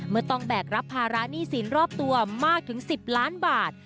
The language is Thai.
ต้องแบกรับภาระหนี้สินรอบตัวมากถึง๑๐ล้านบาท